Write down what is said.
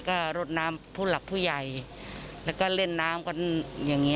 ก็รดน้ำผู้หลักผู้ใหญ่แล้วก็เล่นน้ำกันอย่างนี้